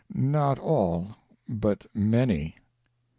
Not all, but "many."